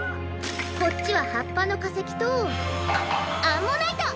こっちははっぱのかせきとアンモナイト！